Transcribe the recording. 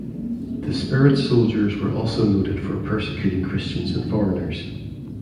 The Spirit Soldiers were also noted for persecuting Christians and foreigners.